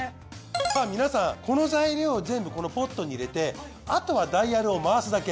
さぁ皆さんこの材料を全部このポットに入れてあとはダイヤルを回すだけ。